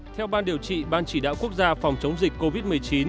theo ban điều trị ban chỉ đạo quốc gia phòng chống dịch covid một mươi chín